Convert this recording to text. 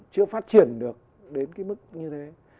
chưa phát triển được đến cái mức như thế